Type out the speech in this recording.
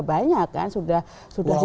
banyak kan sudah dilakukan